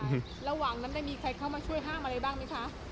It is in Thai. ระหว่างนั้นได้มีใครเข้ามาช่วยห้ามอะไรบ้างไหมคะ